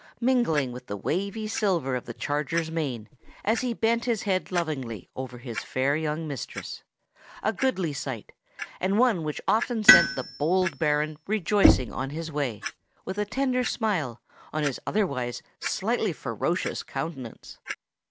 mingling with the wavy silver of the charger's mane as he bent his head lovingly over his fair young mistress,—a goodly sight, and one which often sent the bold Baron rejoicing on his way, with a tender smile on his otherwise slightly ferocious countenance.